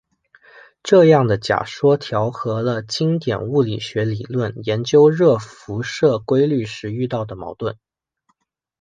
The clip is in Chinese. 这样的假说调和了经典物理学理论研究热辐射规律时遇到的矛盾。